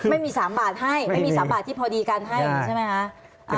ไม่มี๓บาทไม่มี๓บาทที่พอดีกันใช่ไหมคะ